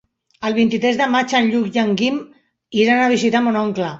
El vint-i-tres de maig en Lluc i en Guim iran a visitar mon oncle.